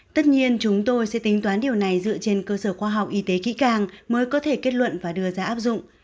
tất nhiên chúng tôi sẽ tính toán điều này dựa trên cơ sở khoa học y tế kỹ càng mới có thể kết luận và đưa ra áp dụng